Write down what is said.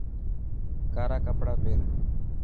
ڪارا ڪپڙا پير.